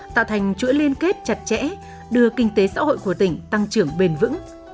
tạo thành chuỗi liên kết chặt chẽ đưa kinh tế xã hội của tỉnh tăng trưởng bền vững